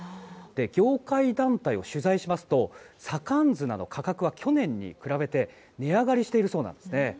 業界団体を取材しますと左官砂の価格は去年に比べて値上がりしているそうなんです。